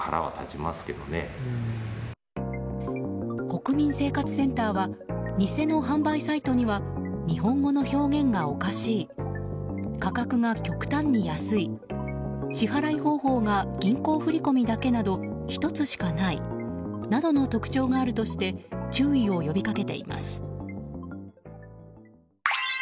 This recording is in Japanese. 国民生活センターは偽の販売サイトには日本語の表現がおかしい価格が極端に安い支払方法が銀行振り込みだけなど１つしかない、などの特徴があるとして注意を呼び掛けています。